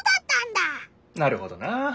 なるほどな！